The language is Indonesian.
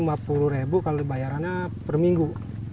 sehari rp lima puluh kalau dibayarannya per minggu